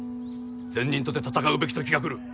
善人とて戦うべきときが来る。